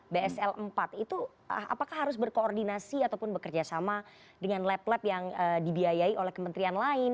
bsl empat itu apakah harus berkoordinasi ataupun bekerjasama dengan lab lab yang dibiayai oleh kementerian lain